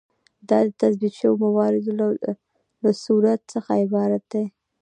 دا د تثبیت شویو مواردو له صورت څخه عبارت دی.